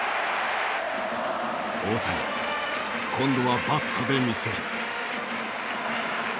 大谷今度はバットで見せる。